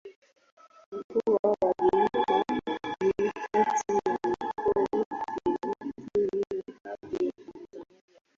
Mkoa wa Geita ni kati ya mikoa thelathini na tatu ya Tanzania